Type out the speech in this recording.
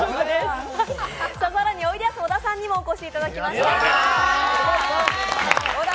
更においでやす小田さんにもお越しいただきました。